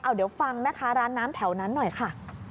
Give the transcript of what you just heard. เดี๋ยวฟังแม่ค้าร้านน้ำแถวนั้นหน่อยค่ะ